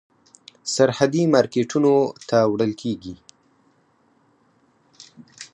سرحدي مارکېټونو ته وړل کېږي.